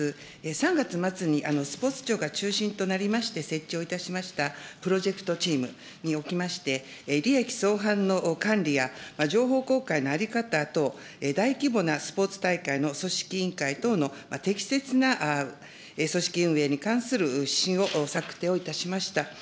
３月末にスポーツ庁が中心となりまして設置をいたしましたプロジェクトチームにおきまして、利益相反の管理や情報公開の在り方等、大規模なスポーツ大会の組織委員会等の適切な組織運営に関する指針を策定をいたしました。